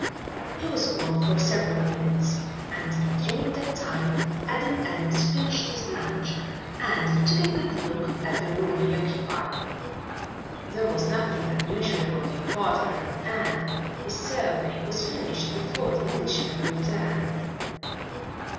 He was gone for several minutes and during that time Adam Adams finished his lunch and took a good look at the room he occupied. There was nothing unusual about the apartment and his survey was finished before the Englishman returned.